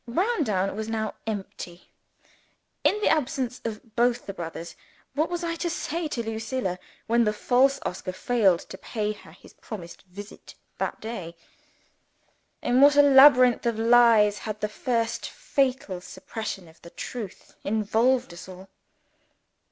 Browndown was now empty. In the absence of both the brothers, what was I to say to Lucilla when the false Oscar failed to pay her his promised visit that day? In what a labyrinth of lies had the first fatal suppression of the truth involved us all!